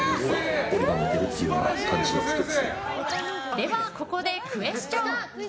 では、ここでクエスチョン。